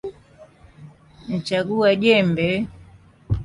Mchagua jembe